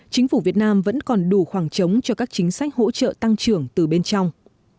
chính phủ việt nam vẫn còn đủ khoảng trống cho các chính sách hỗ trợ tăng trưởng từ bên trong